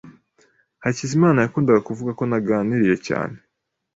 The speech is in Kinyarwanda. Hakizimana yakundaga kuvuga ko naganiriye cyane.